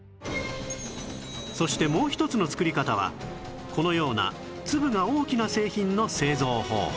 そしてもう１つの作り方はこのような粒が大きな製品の製造方法